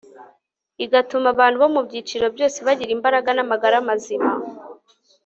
igatuma abantu bo mu byiciro byose bagira imbaraga n'amagara mazima